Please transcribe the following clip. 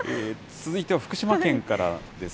続いては福島県からです。